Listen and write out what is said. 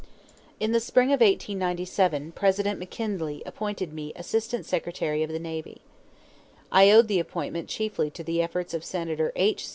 In the spring of 1897 President McKinley appointed me Assistant Secretary of the Navy. I owed the appointment chiefly to the efforts of Senator H.